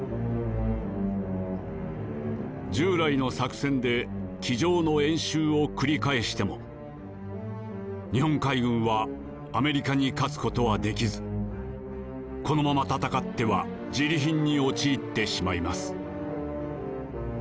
「従来の作戦で机上の演習を繰り返しても日本海軍はアメリカに勝つことはできずこのまま戦ってはジリ貧に陥ってしまいます」。